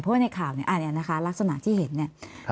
เพราะว่าในข่าวเนี่ยอันนี้นะคะลักษณะที่เห็นเนี่ย